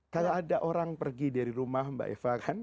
kalau ada orang pergi dari rumah mbak eva kan